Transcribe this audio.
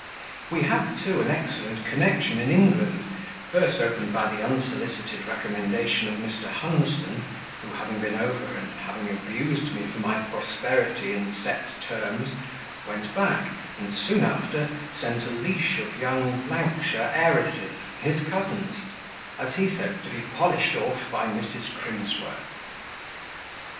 We had too an excellent connection in England, first opened by the unsolicited recommendation of Mr. Hunsden, who having been over, and having abused me for my prosperity in set terms, went back, and soon after sent a leash of young shire heiresses his cousins; as he said "to be polished off by Mrs. Crimsworth."